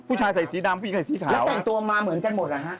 ผู้ชายใส่สีดำผู้หญิงใส่สีขาวแล้วแต่งตัวมาเหมือนกันหมดเหรอฮะ